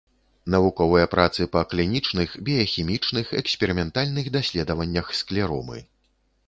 Навуковыя працы па клінічных, біяхімічных, эксперыментальных даследваннях склеромы.